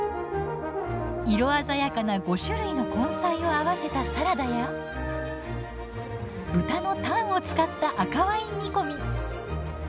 色鮮やかな５種類の根菜を合わせたサラダや豚のタンを使った赤ワイン煮込み。